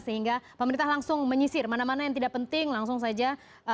sehingga pemerintah langsung menyisir mana mana yang tidak penting langsung saja